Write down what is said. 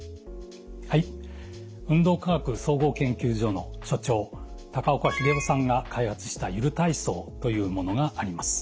はい運動科学総合研究所の所長高岡英夫さんが開発したゆる体操というものがあります。